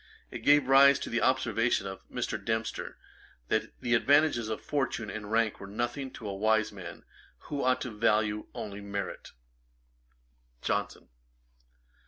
It gave rise to an observation by Mr. Dempster, that the advantages of fortune and rank were nothing to a wise man, who ought to value only merit. JOHNSON.